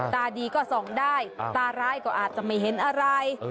ตาดีก็ส่องได้ตาร้ายก็อาจจะไม่เห็นอะไร